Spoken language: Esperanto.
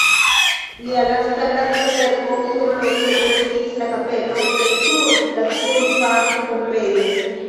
Lia lasta granda verko surloke estis la kapelo de sur la ĉefa tombejo.